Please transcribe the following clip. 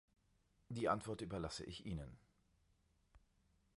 Die Antwort überlasse ich Ihnen.